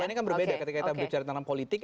ini kan berbeda ketika kita berbicara tentang politik